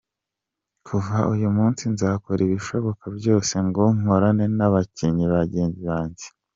Kuva uyu munsi, nzakora ibishoboka byose ngo nkorane n’abakinnyi bagenzi banjye.